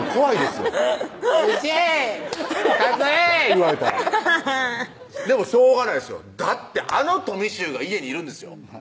言われたらアハハでもしょうがないですよだってあのとみしゅうが家にいるんですよそう！